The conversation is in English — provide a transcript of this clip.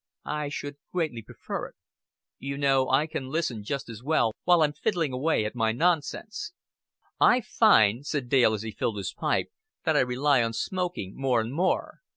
"I should greatly prefer it." "You know, I can listen just as well, while I'm fiddling away at my nonsense." "I find," said Dale, as he filled his pipe, "that I rely on smoking more and more.